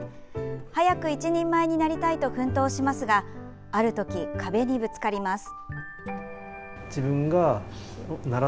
早く一人前になりたいと奮闘しますがあるとき、壁にぶつかります。